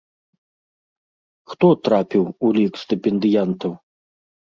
Хто трапіў у лік стыпендыятаў?